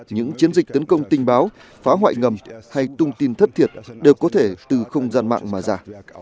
những chiến dịch tấn công tình báo phá hoại ngầm hay tung tin thất thiệt đều có thể từ không gian mạng mà giả